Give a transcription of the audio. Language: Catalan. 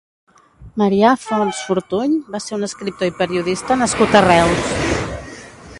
Marià Fonts Fortuny va ser un escriptor i periodista nascut a Reus.